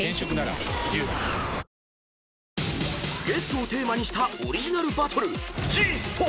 ［ゲストをテーマにしたオリジナルバトル］